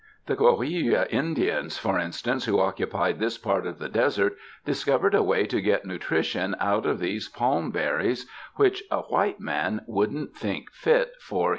The Coahuilla Indmns, for in stance, who occupied this part of the desert, dis covered a way to get nutrition out of these palm berries which a white man wouldn't think fit for his 37 (■^s/^ »'"*«?